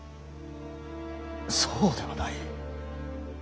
そうではない。